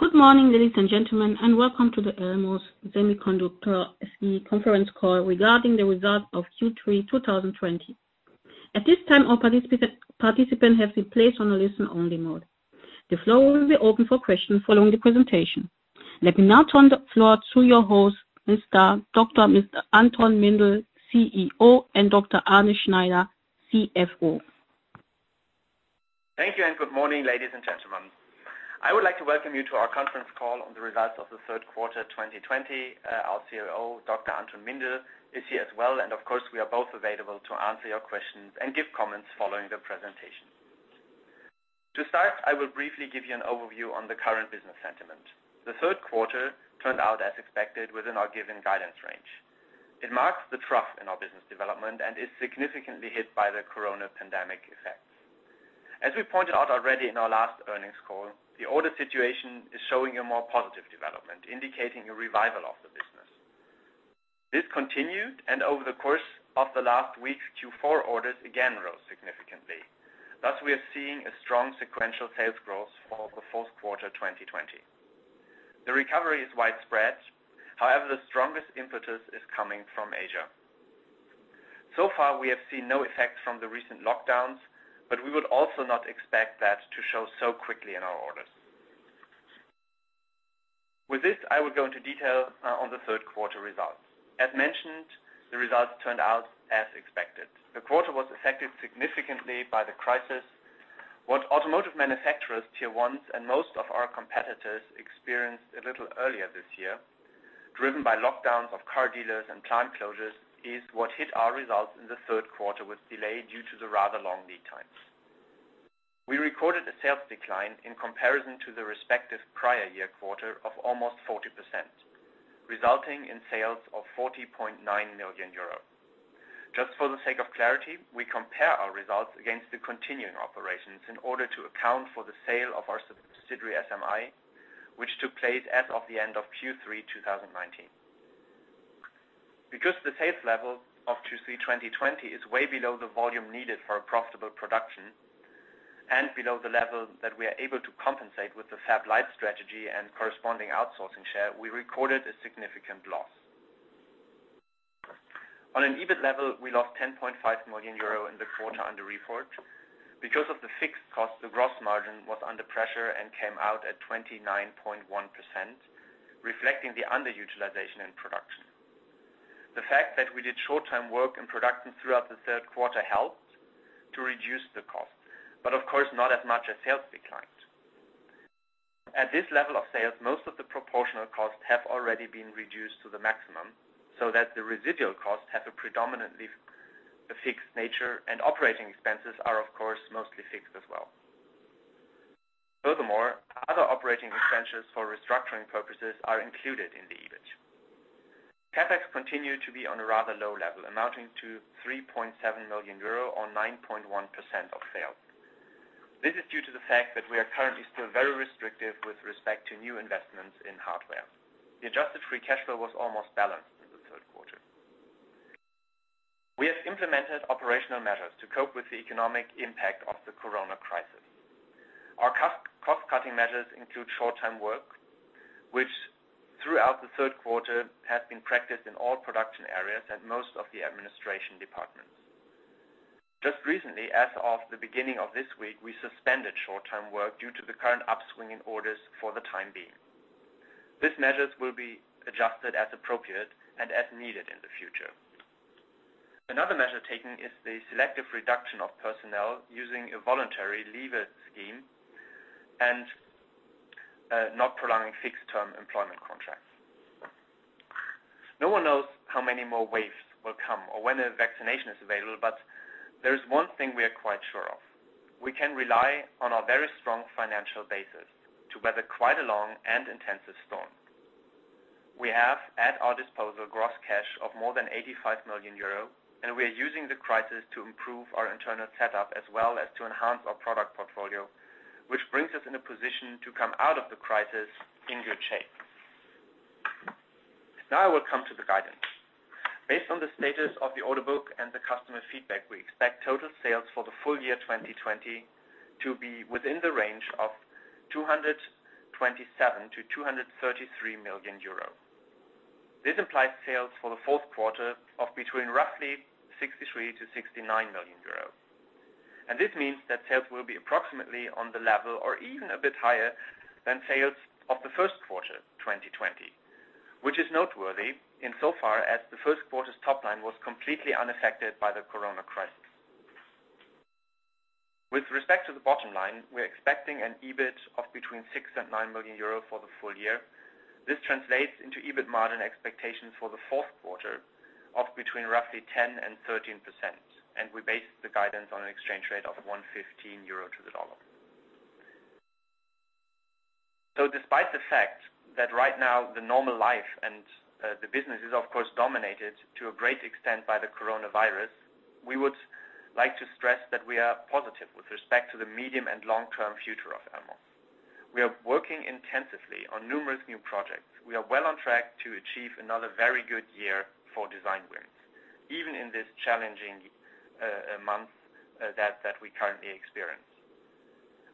Good morning, ladies and gentlemen, welcome to the Elmos Semiconductor SE Conference Call Regarding the Results of Q3 2020. At this time, all participants have been placed on a listen-only mode. The floor will be open for questions following the presentation. Let me now turn the floor to your host, Dr. Mr. Anton Mindl, CEO, and Dr. Arne Schneider, CFO. Thank you, and good morning, ladies and gentlemen. I would like to welcome you to our conference call on the results of the third quarter 2020. Our CEO, Dr. Anton Mindl, is here as well, and of course, we are both available to answer your questions and give comments following the presentation. To start, I will briefly give you an overview on the current business sentiment. The third quarter turned out as expected within our given guidance range. It marks the trough in our business development and is significantly hit by the corona pandemic effects. As we pointed out already in our last earnings call, the order situation is showing a more positive development, indicating a revival of the business. This continued, and over the course of the last week, Q4 orders again rose significantly. Thus, we are seeing a strong sequential sales growth for the fourth quarter 2020. The recovery is widespread. However, the strongest impetus is coming from Asia. So far, we have seen no effect from the recent lockdowns, but we would also not expect that to show so quickly in our orders. With this, I will go into detail on the third quarter results. As mentioned, the results turned out as expected. The quarter was affected significantly by the crisis. What automotive manufacturers, Tier 1s, and most of our competitors experienced a little earlier this year, driven by lockdowns of car dealers and plant closures, is what hit our results in the third quarter with delay due to the rather long lead times. We recorded a sales decline in comparison to the respective prior year quarter of almost 40%, resulting in sales of 40.9 million euro. Just for the sake of clarity, we compare our results against the continuing operations in order to account for the sale of our subsidiary, SMI, which took place as of the end of Q3 2019. Because the sales level of Q3 2020 is way below the volume needed for a profitable production and below the level that we are able to compensate with the fab-lite strategy and corresponding outsourcing share, we recorded a significant loss. On an EBIT level, we lost 10.5 million euro in the quarter under report. Because of the fixed cost, the gross margin was under pressure and came out at 29.1%, reflecting the underutilization in production. The fact that we did short-term work in production throughout the third quarter helped to reduce the cost, but of course not as much as sales declined. At this level of sales, most of the proportional costs have already been reduced to the maximum, so that the residual costs have a predominantly fixed nature, and operating expenses are, of course, mostly fixed as well. Furthermore, other operating expenses for restructuring purposes are included in the EBIT. CapEx continued to be on a rather low level, amounting to 3.7 million euro or 9.1% of sales. This is due to the fact that we are currently still very restrictive with respect to new investments in hardware. The adjusted free cash flow was almost balanced in the third quarter. We have implemented operational measures to cope with the economic impact of the corona crisis. Our cost-cutting measures include short-term work, which throughout the third quarter has been practiced in all production areas and most of the administration departments. Just recently, as of the beginning of this week, we suspended short-term work due to the current upswing in orders for the time being. These measures will be adjusted as appropriate and as needed in the future. Another measure taken is the selective reduction of personnel using a voluntary leave scheme and not prolonging fixed-term employment contracts. No one knows how many more waves will come or when a vaccination is available, but there is one thing we are quite sure of. We can rely on our very strong financial basis to weather quite a long and intensive storm. We have at our disposal gross cash of more than 85 million euro, and we are using the crisis to improve our internal setup as well as to enhance our product portfolio, which brings us in a position to come out of the crisis in good shape. Now I will come to the guidance. Based on the status of the order book and the customer feedback, we expect total sales for the full year 2020 to be within the range of 227 million-233 million euro. This implies sales for the fourth quarter of between roughly 63 million-69 million euro. This means that sales will be approximately on the level or even a bit higher than sales of the first quarter 2020, which is noteworthy insofar as the first quarter's top line was completely unaffected by the corona crisis. With respect to the bottom line, we are expecting an EBIT of between 6 million and 9 million euro for the full year. This translates into EBIT margin expectations for the fourth quarter of between roughly 10% and 13%, and we base the guidance on an exchange rate of 1.15 euro to the dollar. Despite the fact that right now the normal life and the business is of course dominated to a great extent by the coronavirus, we would like to stress that we are positive with respect to the medium and long-term future of Elmos. We are working intensively on numerous new projects. We are well on track to achieve another very good year for design wins. Even in this challenging month that we currently experience.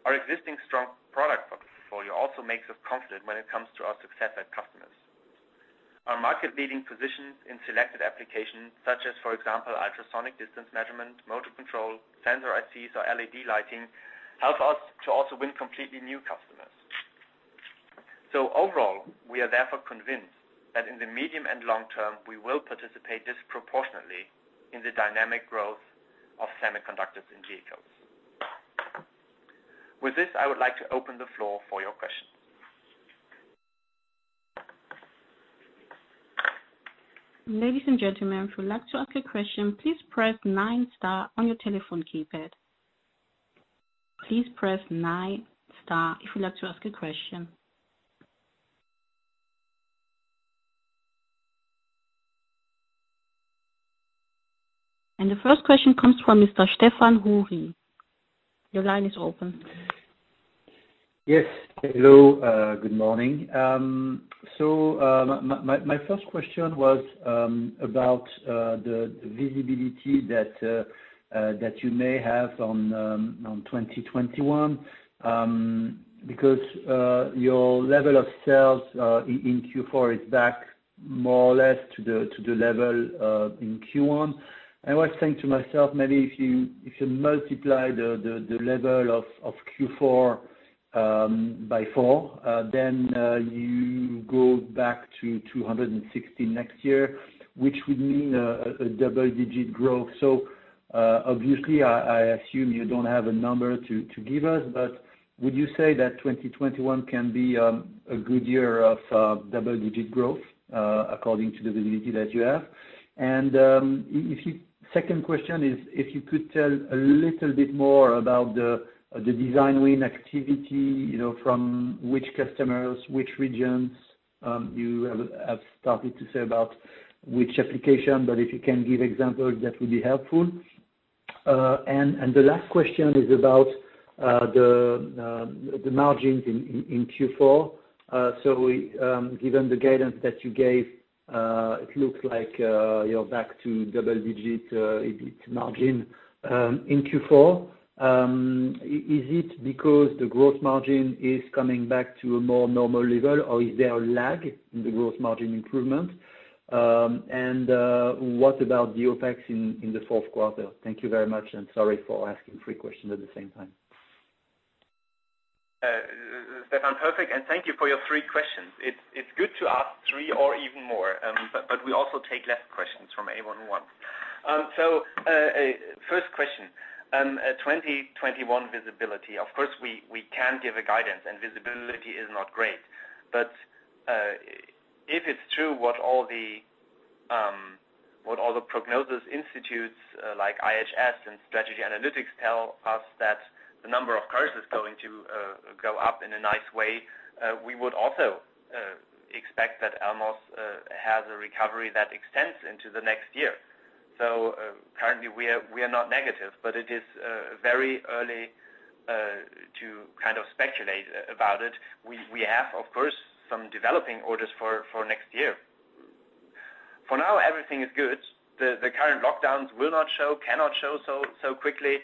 Our existing strong product portfolio also makes us confident when it comes to our success with customers. Our market-leading positions in selected applications such as, for example, ultrasonic distance measurement, motor control, sensor ICs or LED lighting, help us to also win completely new customers. Overall, we are therefore convinced that in the medium and long-term, we will participate disproportionately in the dynamic growth of semiconductors in vehicles. With this, I would like to open the floor for your questions. Ladies and gentlemen if you'd like to ask a question please press nine star on your telephone keypad. Please press nine star if you'd like to ask a question. The first question comes from Mr. Stéphane Houri. Your line is open. Hello, good morning. My first question was about the visibility that you may have on 2021. Because your level of sales in Q4 is back more or less to the level in Q1. I was saying to myself maybe if you multiply the level of Q4 by four, then you go back to 260 next year, which would mean a double-digit growth. Obviously, I assume you don't have a number to give us, but would you say that 2021 can be a good year of double-digit growth, according to the visibility that you have? Second question is, if you could tell a little bit more about the design win activity, from which customers, which regions. You have started to say about which application, if you can give examples, that would be helpful. The last question is about the margins in Q4. Given the guidance that you gave, it looks like you're back to double-digit EBIT margin in Q4. Is it because the gross margin is coming back to a more normal level, or is there a lag in the gross margin improvement? What about the OpEx in the fourth quarter? Thank you very much, and sorry for asking three questions at the same time. Stéphane, perfect, thank you for your three questions. It's good to ask three or even more. We also take less questions from anyone who wants. First question, 2021 visibility. Of course, we can give a guidance, and visibility is not great. If it's true what all the prognosis institutes like IHS and Strategy Analytics tell us that the number of cars is going to go up in a nice way, we would also expect that Elmos has a recovery that extends into the next year. Currently we are not negative, but it is very early to kind of speculate about it. We have, of course, some developing orders for next year. For now, everything is good. The current lockdowns will not show, cannot show so quickly.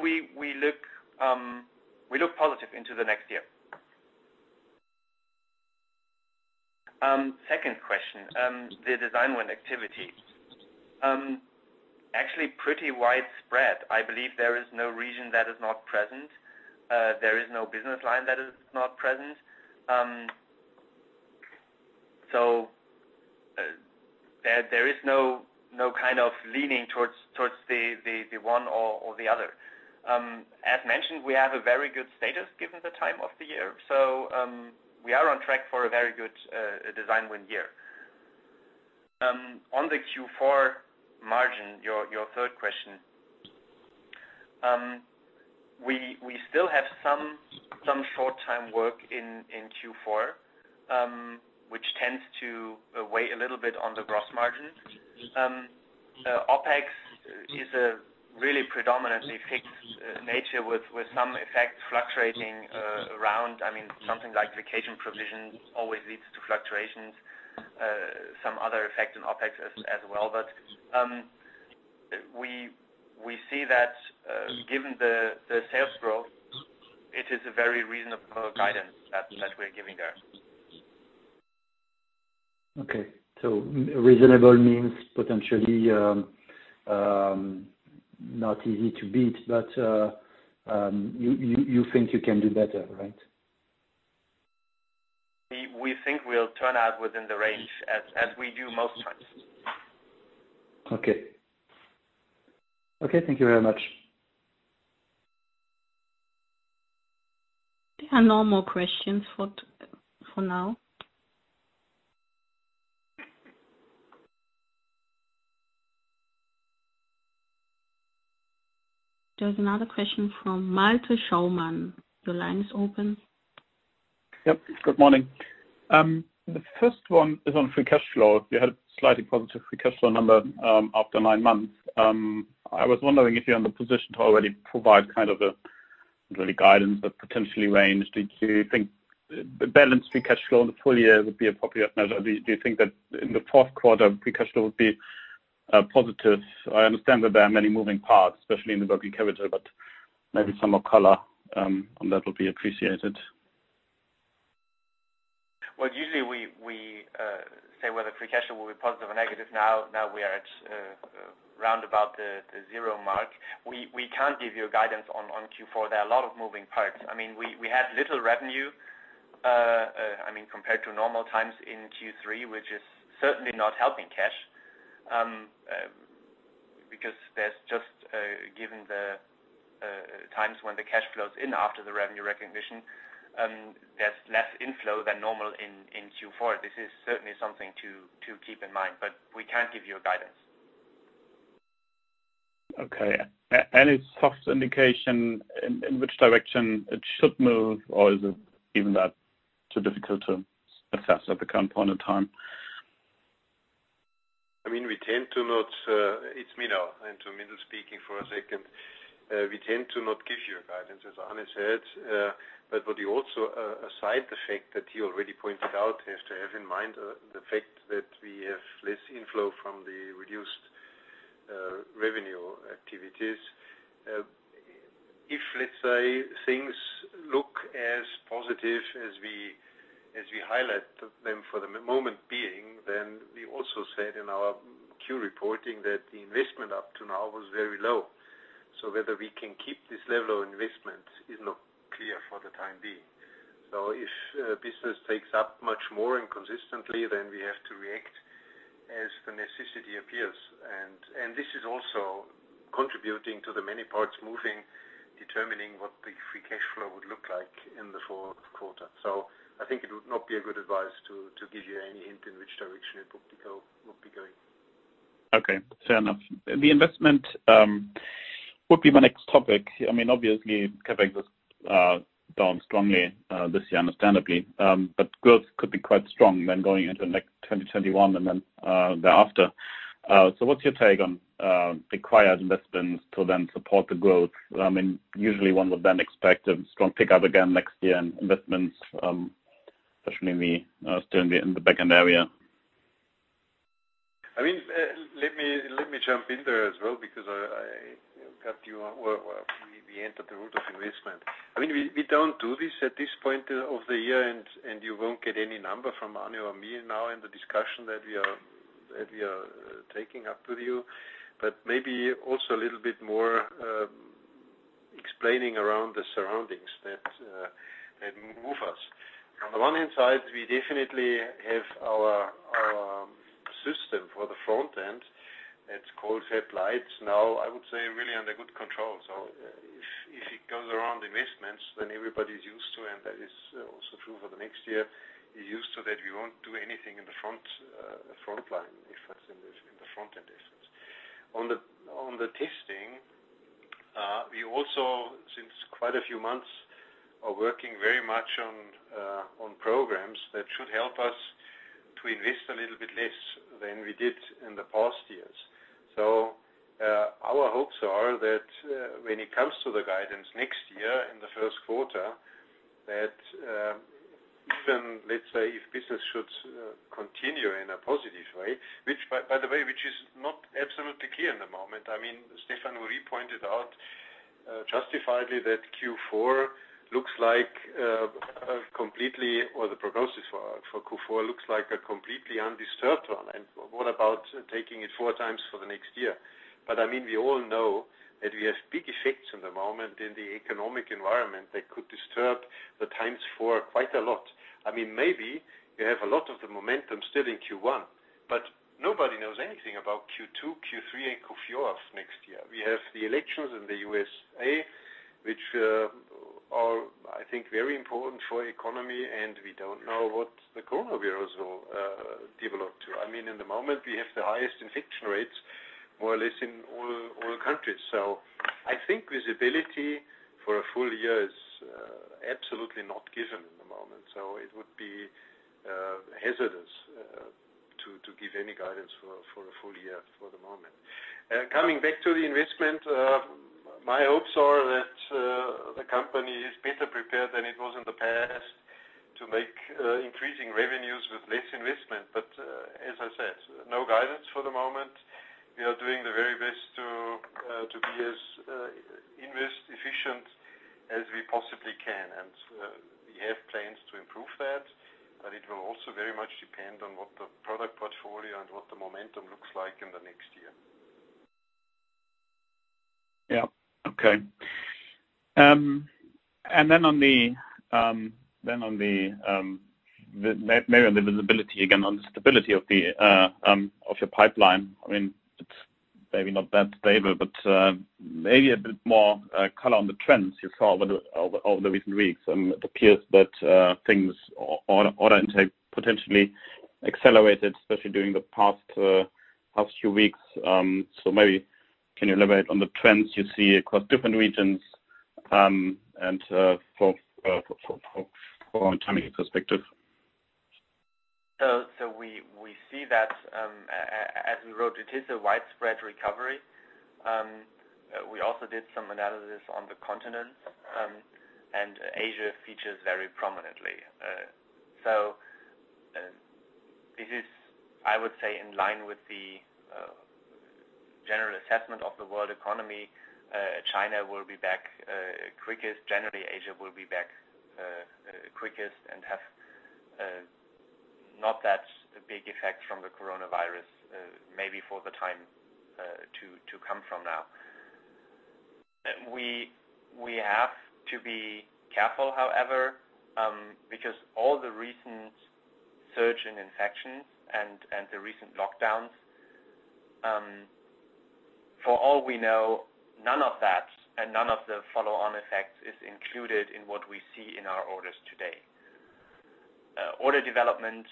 We look positive into the next year. Second question, the design win activity. Actually pretty widespread. I believe there is no region that is not present. There is no business line that is not present. There is no kind of leaning towards the one or the other. As mentioned, we have a very good status given the time of the year. We are on track for a very good design win year. On the Q4 margin, your third question. We still have some short-term work in Q4, which tends to weigh a little bit on the gross margin. OpEx is a really predominantly fixed nature with some effect fluctuating around. Something like vacation provision always leads to fluctuations. Some other effects on OpEx as well. We see that given the sales growth, it is a very reasonable guidance that we're giving there. Okay. reasonable means potentially not easy to beat, but you think you can do better, right? We think we'll turn out within the range as we do most times. Okay. Thank you very much. There are no more questions for now. There is another question from Malte Schaumann. Your line is open. Yep. Good morning. The first one is on free cash flow. You had a slightly positive free cash flow number after nine months. I was wondering if you're in the position to already provide kind of really guidance, but potentially range. Do you think the balanced free cash flow in the full year would be appropriate measure? Do you think that in the fourth quarter, free cash flow would be positive? I understand that there are many moving parts, especially in the working capital, but maybe some more color on that will be appreciated. Well, usually we say whether free cash flow will be positive or negative. Now we are at around about the zero mark. We can't give you a guidance on Q4. There are a lot of moving parts. We had little revenue, compared to normal times in Q3, which is certainly not helping cash. There's just, given the times when the cash flows in after the revenue recognition, there's less inflow than normal in Q4. This is certainly something to keep in mind. We can't give you a guidance. Okay. Any soft indication in which direction it should move? Is it even that too difficult to assess at the current point in time? It's me now. Anton Mindl speaking for a second. We tend to not give you a guidance, as Arne said. What you also, aside the fact that he already pointed out, is to have in mind the fact that we have less inflow from the reduced revenue activities. If, let's say, things look as positive as we highlight them for the moment being, we also said in our Q reporting that the investment up to now was very low. Whether we can keep this level of investment is not clear for the time being. If business takes up much more inconsistently, we have to react as the necessity appears. This is also contributing to the many parts moving, determining what the free cash flow would look like in the fourth quarter. I think it would not be a good advice to give you any hint in which direction it would be going. Okay. Fair enough. The investment would be my next topic. Obviously, CapEx is down strongly this year, understandably. Growth could be quite strong then going into next 2021 and then thereafter. What's your take on required investments to then support the growth? Usually one would then expect a strong pickup again next year in investments, especially in the back-end area. Let me jump in there as well because I cut you off. We entered the route of investment. We don't do this at this point of the year, and you won't get any number from Arne or me now in the discussion that we are taking up with you. Maybe also a little bit more explaining around the surroundings that move us. On the one hand side, we definitely have our system for the front end that's called ISELED Lights. Now, I would say really under good control. If it goes around investments, then everybody's used to, and that is also true for the next year, we're used to that we won't do anything in the frontline, if that's in the front end areas. On the testing, we also, since quite a few months, are working very much on programs that should help us to invest a little bit less than we did in the past years. Our hopes are that when it comes to the guidance next year in the first quarter, that even, let's say, if business should continue in a positive way. Which, by the way, is not absolutely clear in the moment. Stéphane Houri pointed out, justifiably, that the prognosis for Q4 looks like a completely undisturbed one. What about taking it four times for the next year? We all know that we have big effects in the moment in the economic environment that could disturb the times for quite a lot. Maybe we have a lot of the momentum still in Q1, but nobody knows anything about Q2, Q3, and Q4 of next year. We have the elections in the U.S., which are, I think, very important for economy. We don't know what the coronavirus will develop to. In the moment, we have the highest infection rates more or less in all countries. I think visibility for a full year is absolutely not given at the moment. It would be hazardous to give any guidance for a full year for the moment. Coming back to the investment, my hopes are that the company is better prepared than it was in the past to make increasing revenues with less investment. As I said, no guidance for the moment. We are doing the very best to be as invest efficient as we possibly can. We have plans to improve that, but it will also very much depend on what the product portfolio and what the momentum looks like in the next year. Yeah. Okay. On the visibility again, on the stability of your pipeline. It's maybe not that favor, but maybe a bit more color on the trends you saw over the recent weeks. It appears that things order intake potentially accelerated, especially during the past few weeks. Maybe can you elaborate on the trends you see across different regions and for long-term perspective? We see that, as we wrote, it is a widespread recovery. We also did some analysis on the continent, and Asia features very prominently. This is, I would say, in line with the general assessment of the world economy. China will be back quickest. Generally, Asia will be back quickest and have not that big effect from the coronavirus, maybe for the time to come from now. We have to be careful, however, because all the recent surge in infections and the recent lockdowns, for all we know, none of that and none of the follow-on effects is included in what we see in our orders today. Order development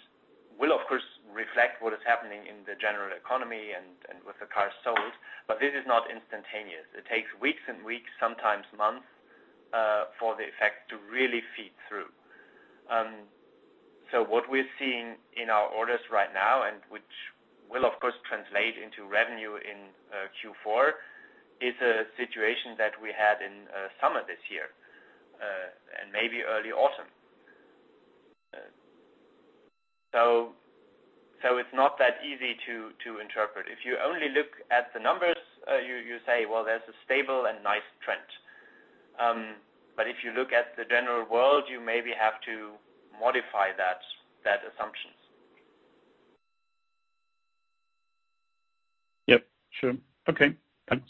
will, of course, reflect what is happening in the general economy and with the cars sold, but this is not instantaneous. It takes weeks and weeks, sometimes months, for the effect to really feed through. What we're seeing in our orders right now, and which will, of course, translate into revenue in Q4, is a situation that we had in summer this year, and maybe early autumn. It's not that easy to interpret. If you only look at the numbers, you say, well, there's a stable and nice trend. If you look at the general world, you maybe have to modify that assumption. Yep, sure. Okay, thanks.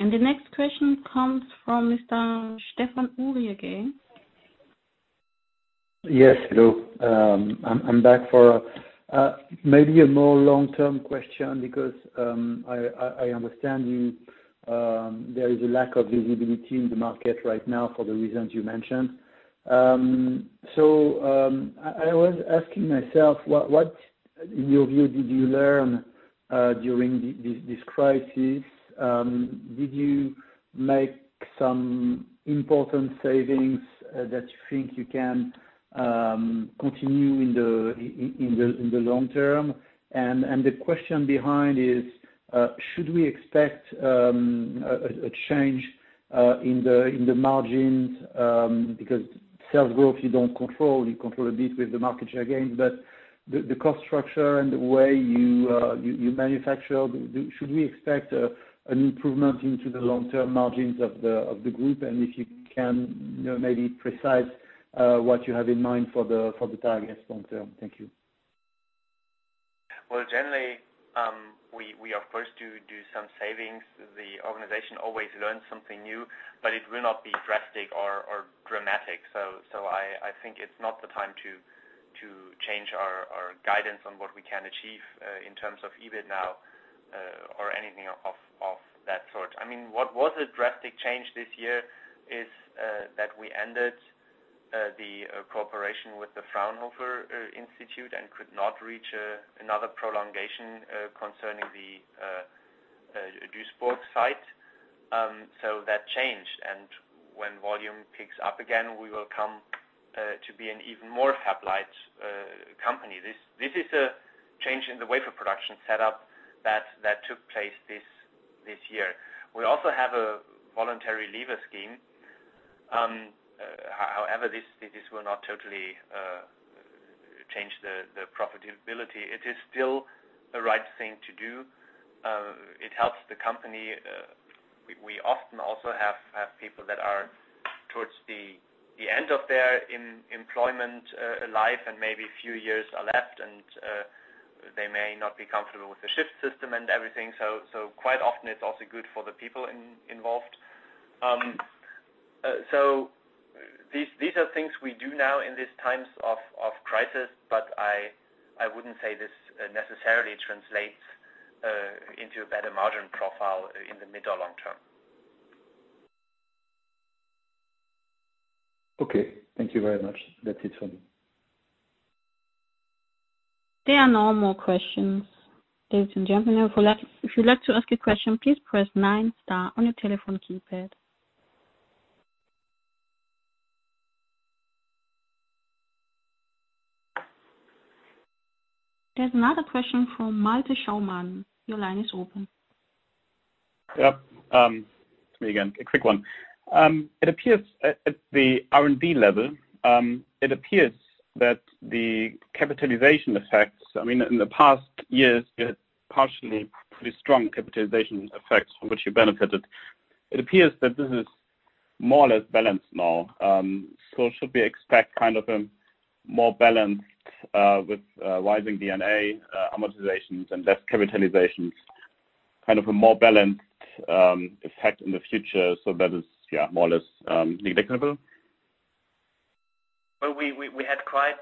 The next question comes from Mr. Stéphane Houri again. Yes, hello. I'm back for maybe a more long-term question because, I understand you, there is a lack of visibility in the market right now for the reasons you mentioned. I was asking myself, what in your view did you learn during this crisis? Did you make some important savings that you think you can continue in the long-term? The question behind is, should we expect a change in the margins? Sales growth, you don't control. You control a bit with the market share gains, but the cost structure and the way you manufacture, should we expect an improvement into the long-term margins of the group? If you can maybe precise what you have in mind for the target long-term. Thank you. Generally, we are forced to do some savings. The organization always learns something new, it will not be drastic or dramatic. I think it's not the time to change our guidance on what we can achieve in terms of EBIT now or anything of that sort. What was a drastic change this year is that we ended the cooperation with the Fraunhofer Institute and could not reach another prolongation concerning the Duisburg site. That changed, when volume picks up again, we will come to be an even more fab-lite company. This is a change in the wafer production setup that took place this year. We also have a voluntary leaver scheme. However, this will not totally change the profitability. It is still the right thing to do. It helps the company. We often also have people that are towards the end of their employment life and maybe a few years are left, and they may not be comfortable with the shift system and everything. Quite often it's also good for the people involved. These are things we do now in these times of crisis, but I wouldn't say this necessarily translates into a better margin profile in the mid- or long-term. Okay. Thank you very much. That's it for me. There are no more questions. Ladies and gentlemen, if you'd like to ask a question, please press nine star on your telephone keypad. There's another question from Malte Schaumann. Your line is open. Yep. It's me again. A quick one. At the R&D level, it appears that the capitalization effects, in the past years, you had partially pretty strong capitalization effects from which you benefited. It appears that this is more or less balanced now. Should we expect a more balanced with rising D&A amortizations and less capitalizations, a more balanced effect in the future, so that is, yeah, more or less predictable? Well, we had quite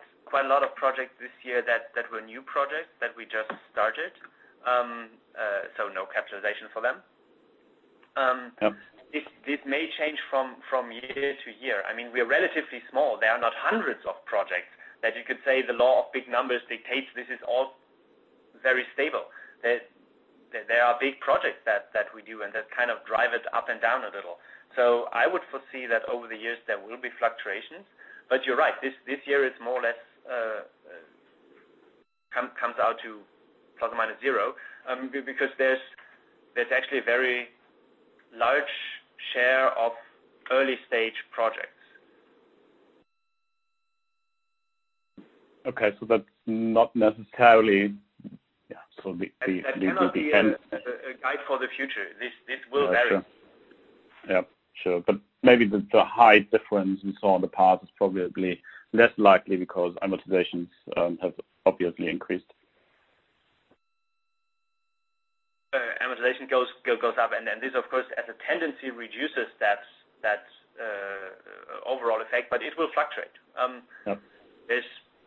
a lot of projects this year that were new projects that we just started. No capitalization for them. Yep. This may change from year to year. We're relatively small. There are not hundreds of projects that you could say the law of big numbers dictates this is all very stable. There are big projects that we do and that drive it up and down a little. I would foresee that over the years there will be fluctuations. You're right, this year it more or less comes out to plus or minus zero, because there's actually a very large share of early-stage projects. Okay, so that's not necessarily Yeah, so the. That cannot be a guide for the future. This will vary. Yeah, sure. Maybe the high difference we saw in the past is probably less likely because amortizations have obviously increased. Amortization goes up, and this, of course, as a tendency, reduces that overall effect, but it will fluctuate. Yeah.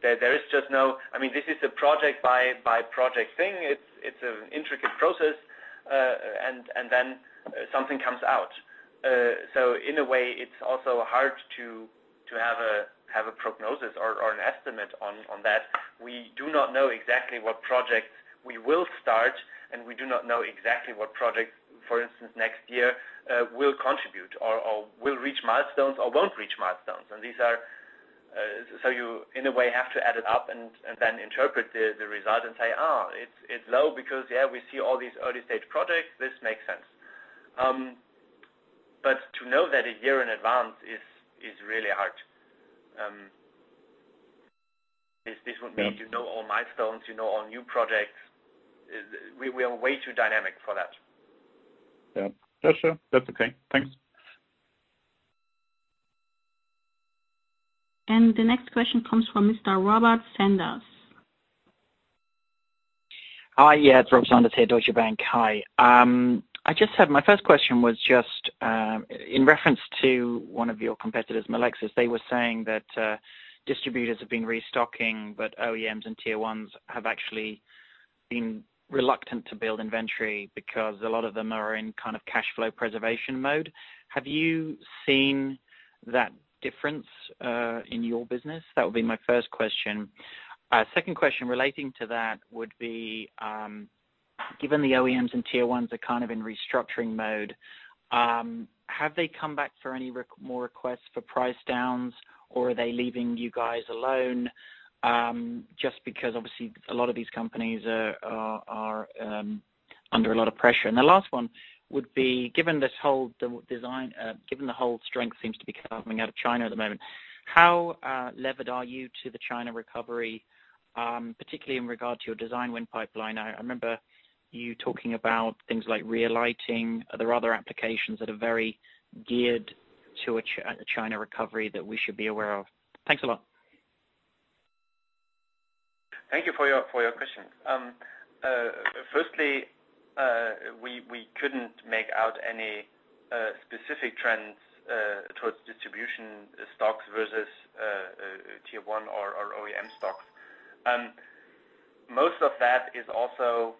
This is a project-by-project thing. It's an intricate process, and then something comes out. In a way, it's also hard to have a prognosis or an estimate on that. We do not know exactly what projects we will start, and we do not know exactly what projects, for instance, next year will contribute or will reach milestones or won't reach milestones. You, in a way, have to add it up and then interpret the result and say, "It's low because we see all these early-stage projects. This makes sense." To know that a year in advance is really hard. This would mean you know all milestones, you know all new projects. We are way too dynamic for that. Yeah. That's sure. That's okay. Thanks. The next question comes from Mr. Robert Sanders. Hi. Yeah, it's Robert Sanders here, Deutsche Bank. Hi. My first question was just in reference to one of your competitors, Melexis. They were saying that distributors have been restocking, but OEMs and Tier 1s have actually been reluctant to build inventory because a lot of them are in cash flow preservation mode. Have you seen that difference in your business? That would be my first question. Second question relating to that would be, given the OEMs and Tier 1s are in restructuring mode, have they come back for more requests for price downs, or are they leaving you guys alone, just because obviously a lot of these companies are under a lot of pressure? The last one would be, given the whole strength seems to be coming out of China at the moment, how levered are you to the China recovery, particularly in regard to your design win pipeline? I remember you talking about things like rear lighting. Are there other applications that are very geared to a China recovery that we should be aware of? Thanks a lot. Thank you for your questions. Firstly, we couldn't make out any specific trends towards distribution stocks versus Tier 1 or OEM stocks. Most of that is also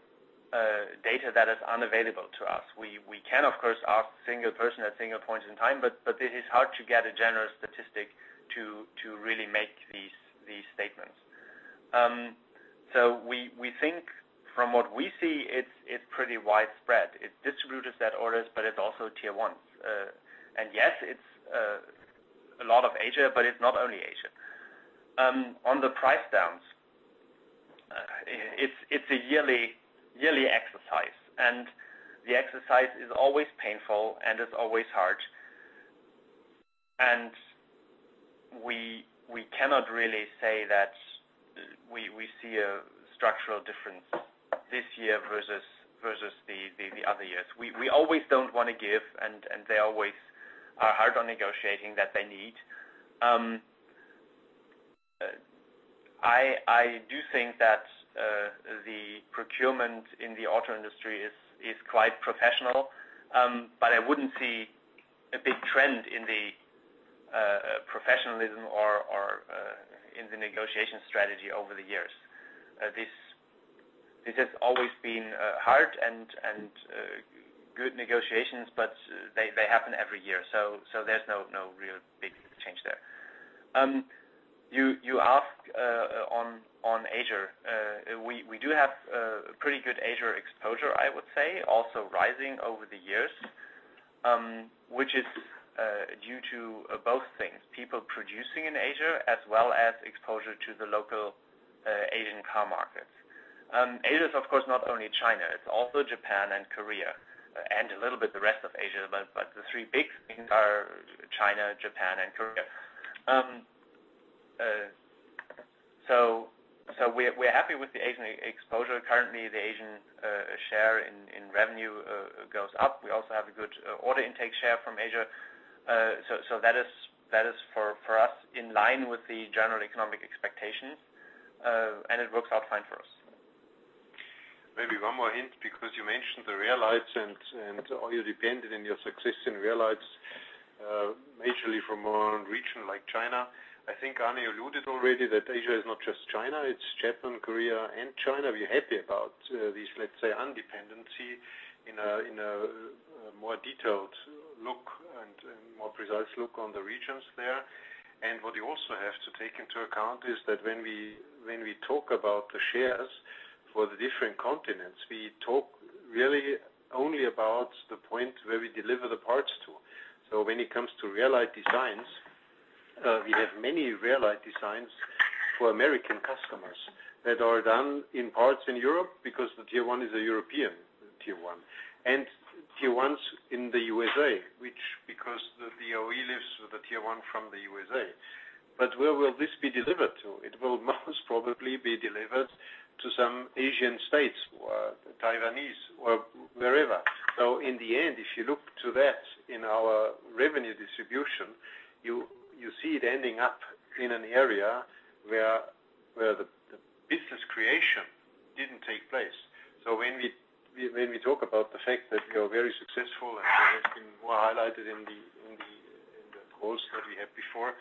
data that is unavailable to us. We can, of course, ask a single person at a single point in time, but it is hard to get a general statistic to really make these statements. We think from what we see, it's pretty widespread. It's distributors that orders, but it's also Tier 1s. Yes, it's a lot of Asia, but it's not only Asia. On the price downs, it's a yearly exercise, and the exercise is always painful, and it's always hard. We cannot really say that we see a structural difference this year versus the other years. We always don't want to give, and they always are hard on negotiating that they need. I do think that the procurement in the auto industry is quite professional. I wouldn't see a big trend in the professionalism or in the negotiation strategy over the years. This has always been hard and good negotiations. They happen every year. There's no real big change there. You asked on Asia. We do have a pretty good Asia exposure, I would say, also rising over the years, which is due to both things, people producing in Asia as well as exposure to the local Asian car markets. Asia is, of course, not only China. It's also Japan and Korea, and a little bit the rest of Asia. The three big things are China, Japan, and Korea. We're happy with the Asian exposure. Currently, the Asian share in revenue goes up. We also have a good order intake share from Asia. That is, for us, in line with the general economic expectations, and it works out fine for us. Maybe one more hint, because you mentioned the rear lighting and how you depended on your success in rear lighting, majorly from a region like China. I think Arne alluded already that Asia is not just China, it's Japan, Korea, and China. Were you happy about this, let's say, independency in a more detailed look and more precise look on the regions there? What you also have to take into account is that when we talk about the shares for the different continents, we talk really only about the point where we deliver the parts to. When it comes to rear lighting designs, we have many rear lighting designs for American customers that are done in parts in Europe because the Tier 1 is a European Tier 1. Tier 1s in the U.S.A., which because the OEM lives with the Tier 1 from the U.S.A. Where will this be delivered to? It will most probably be delivered to some Asian states, Taiwanese or wherever. In the end, if you look to that in our revenue distribution, you see it ending up in an area where the business creation didn't take place. When we talk about the fact that we are very successful, and we have been more highlighted in the calls that we had before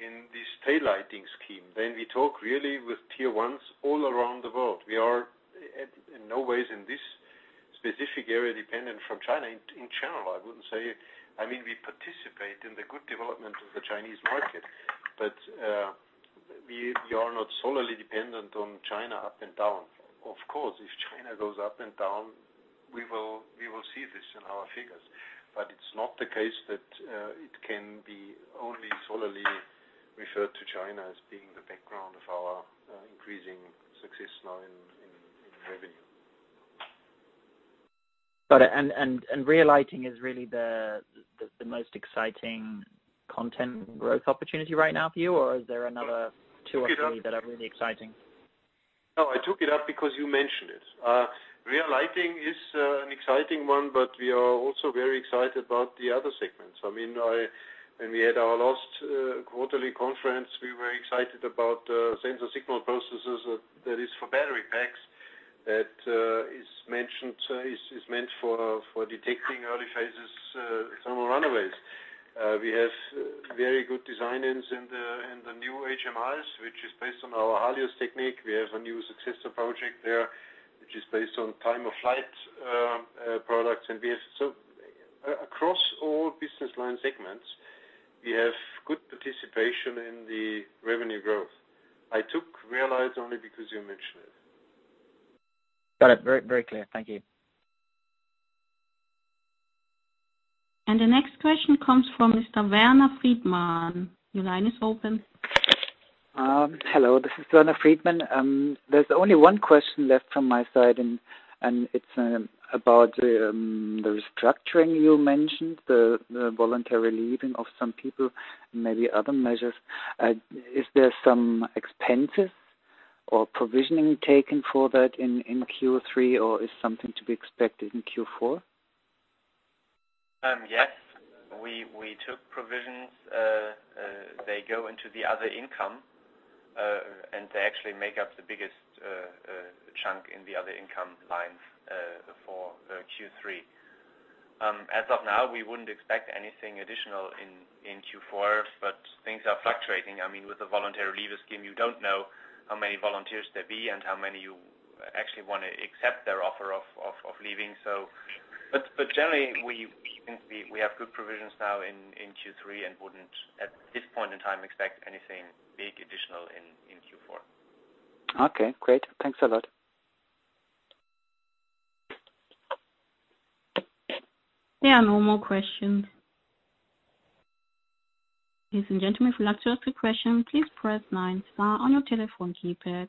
in this rear lighting scheme. When we talk really with Tier 1s all around the world, we are in no ways in this specific area dependent from China. In general, I wouldn't say we participate in the good development of the Chinese market, but we are not solely dependent on China up and down. Of course, if China goes up and down, we will see this in our figures. It's not the case that it can be only solely referred to China as being the background of our increasing success now in revenue. Got it. Rear lighting is really the most exciting content growth opportunity right now for you, or is there another two or three that are really exciting? No, I took it up because you mentioned it. Rear lighting is an exciting one, but we are also very excited about the other segments. When we had our last quarterly conference, we were excited about sensor signal processors that is for battery packs that is meant for detecting early phases thermal runaways. We have very good design-ins in the new HMIs, which is based on our HALIOS technique. We have a new successor project there, which is based on time-of-flight products. Across all business line segments, we have good participation in the revenue growth. I took rear light only because you mentioned it. Got it. Very clear. Thank you. The next question comes from Mr. Werner Friedmann. Your line is open. Hello, this is Werner Friedmann. There's only one question left from my side, and it's about the restructuring you mentioned, the voluntary leaving of some people and maybe other measures. Is there some expenses or provisioning taken for that in Q3, or is something to be expected in Q4? Yes, we took provisions. They go into the other income. They actually make up the biggest chunk in the other income line for Q3. As of now, we wouldn't expect anything additional in Q4. Things are fluctuating. With the voluntary leaver scheme, you don't know how many volunteers there'll be and how many you actually want to accept their offer of leaving. Generally, we think we have good provisions now in Q3 and wouldn't, at this point in time, expect anything big additional in Q4. Okay, great. Thanks a lot. There are no more questions. Ladies and gentlemen, if you'd like to ask a question, please press star nine on your telephone keypad.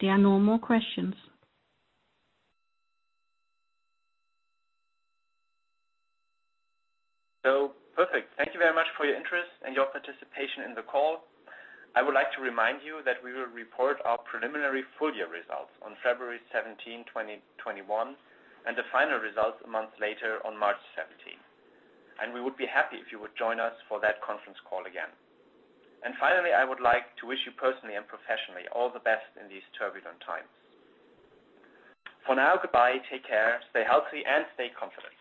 There are no more questions. Perfect. Thank you very much for your interest and your participation in the call. I would like to remind you that we will report our preliminary full-year results on February 17, 2021, and the final results a month later on March 17th. We would be happy if you would join us for that conference call again. Finally, I would like to wish you personally and professionally all the best in these turbulent times. For now, goodbye, take care, stay healthy, and stay confident.